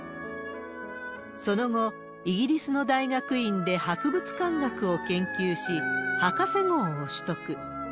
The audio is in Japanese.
その後、イギリスの大学院で博物館学を研究し、博士号を取得。